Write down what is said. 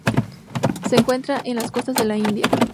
Se encuentra en las costas de la India.